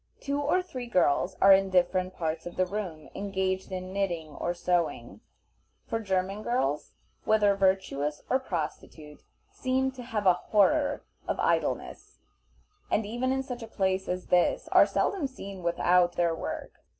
Two or three girls are in different parts of the room engaged in knitting or sewing; for German girls, whether virtuous or prostitute, seem to have a horror of idleness, and even in such a place as this are seldom seen without their work.